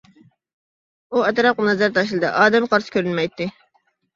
ئۇ ئەتراپقا نەزەر تاشلىدى، ئادەم قارىسى كۆرۈنمەيتتى.